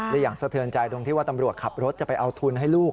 และอย่างสะเทือนใจตรงที่ว่าตำรวจขับรถจะไปเอาทุนให้ลูก